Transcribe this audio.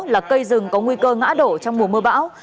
là cây rừng có nguy cơ ngã đổ trong mùa mưa bão